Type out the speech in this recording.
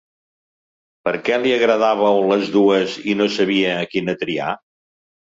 Perquè li agradàveu les dues i no sabia quina triar?